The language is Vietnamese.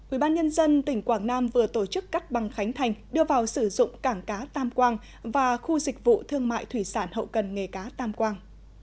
ubnd tỉnh quảng nam vừa tổ chức cắt băng khánh thành đưa vào sử dụng cảng cá tam quang và khu dịch vụ thương mại thủy sản hậu cần nghề cá tam quang